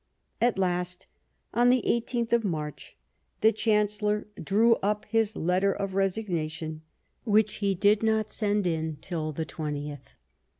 At last, on the i8th of March, the Chancellor drew up his letter of resignation, which he did not send in till the 20th.